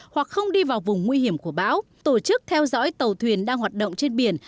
hoặc không đi vào vùng nguy hiểm của bão tổ chức theo dõi tàu thuyền đang hoạt động trên biển